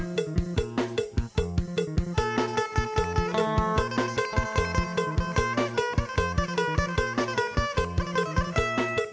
สนุนโดยอีซุสเอกสิทธิ์แห่งความสุข